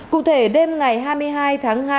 cụ thể đêm ngày hai mươi hai tháng hai